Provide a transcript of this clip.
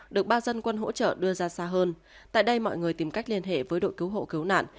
được ba dân quân hỗ trợ đưa ra xa hơn tại đây mọi người tìm cách liên hệ với đội cứu hộ cứu nạn